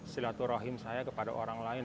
silaturahim saya kepada orang lain